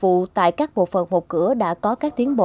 thời gian giải quyết và các bộ phận một cửa đã có các tiến bộ